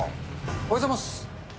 おはようございます。